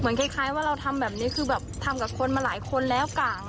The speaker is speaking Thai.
คล้ายว่าเราทำแบบนี้คือแบบทำกับคนมาหลายคนแล้วก่าง